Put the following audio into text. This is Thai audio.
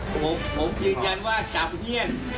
ผมผมยืนยันว่าจากเที่ยง